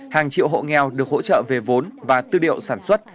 hàng triệu hộ nghèo được hỗ trợ về vốn và tư điệu sản xuất